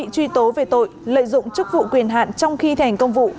truy tố về tội lợi dụng chức vụ quyền hạn trong khi thành công vụ